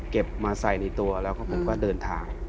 มาใส่ในตัวแล้วก็ผมก็เดินทาง